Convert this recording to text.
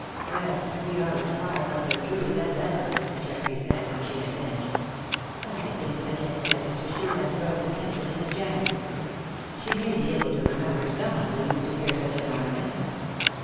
"Well, we are as far from the truth as ever," Geoffrey said, when she had finished. "I think the next step is to shew that broken link to Mrs. Jenner. She may be able to remember someone who used to wear such an ornament."